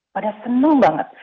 pada seneng banget